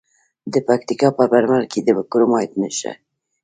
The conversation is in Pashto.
د پکتیکا په برمل کې د کرومایټ نښې شته.